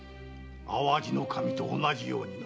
淡路守と同じようにな。